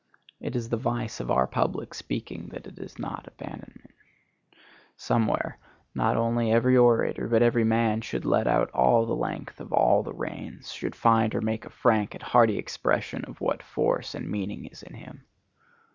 It is the vice of our public speaking that it has not abandonment. Somewhere, not only every orator but every man should let out all the length of all the reins; should find or make a frank and hearty expression of what force and meaning is in him.